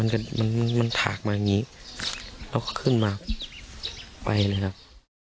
มันมันถากมาอย่างนี้แล้วก็ขึ้นมาไปเลยครับ